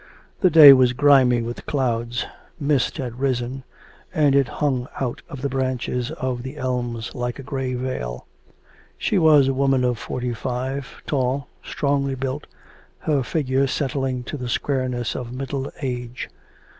The day was grimy with clouds; mist had risen, and it hung out of the branches of the elms like a grey veil. She was a woman of forty five, tall, strongly built, her figure setting to the squareness of middle age.